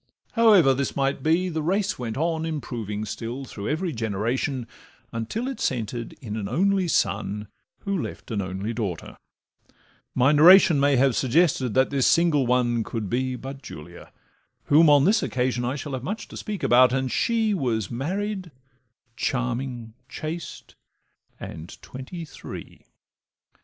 However this might be, the race went on Improving still through every generation, Until it centred in an only son, Who left an only daughter; my narration May have suggested that this single one Could be but Julia (whom on this occasion I shall have much to speak about), and she Was married, charming, chaste, and twenty three.